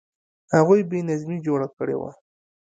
هغوی بې نظمي جوړه کړې وه.